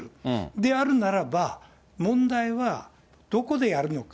であるならば、問題はどこでやるのか。